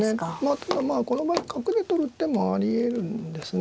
ただまあこの場合角で取る手もありえるんですね。